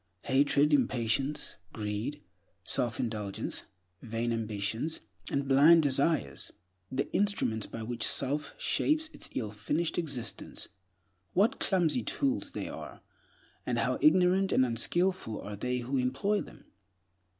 Hatred, impatience, greed, self indulgence, vain ambitions, and blind desires—the instruments by which self shapes its illfinished existence, what clumsy tools they are, and how ignorant and unskillful are they who employ them!